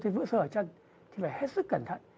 thấy vữa sơ ở chân thì phải hết sức cẩn thận